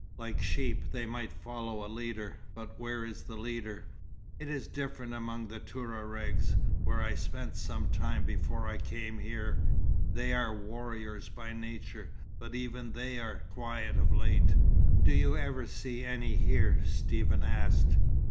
"Like sheep, they might follow a leader; but where is the leader? It is different among the Touaregs, where I spent some time before I came here. They are warriors by nature, but even they are quiet of late." "Do you ever see any here?" Stephen asked.